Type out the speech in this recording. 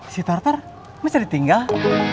si tartar masih ditinggal